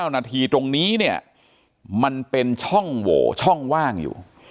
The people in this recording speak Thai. นาทีตรงนี้เนี่ยมันเป็นช่องโหวช่องว่างอยู่